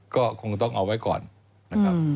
ก็คงต้องเอาไว้ก่อนนะครับ